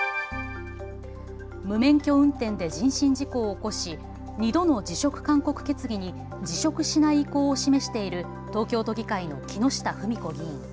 無免許運転で人身事故を起こし２度の辞職勧告決議に辞職しない意向を示している東京都議会の木下富美子議員。